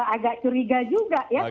agak curiga juga ya